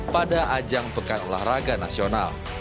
pada ajang pekan olahraga nasional